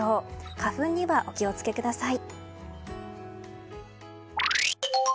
花粉にはお気を付けください。